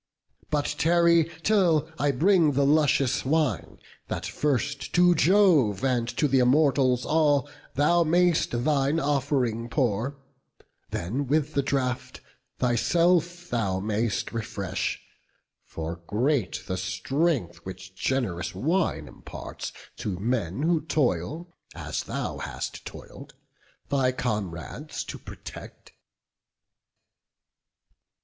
But tarry till I bring the luscious wine, That first to Jove, and to th' Immortals all, Thou mayst thine off'ring pour; then with the draught Thyself thou mayst refresh; for great the strength Which gen'rous wine imparts to men who toil, As thou hast toil'd, thy comrades to protect."